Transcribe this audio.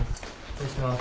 ・失礼します